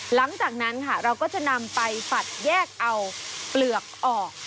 หลังจากนั้นค่ะเราก็จะนำไปฝัดแยกเอาเปลือกออก